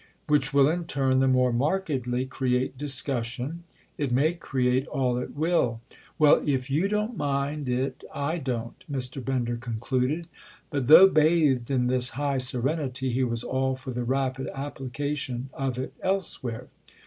"Which will in turn the more markedly create discussion." "It may create all it will!" "Well, if you don't mind it, I don't!" Mr. Bender concluded. But though bathed in this high serenity he was all for the rapid application of it elsewhere.